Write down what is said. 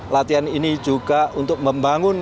latihan ini juga untuk membangun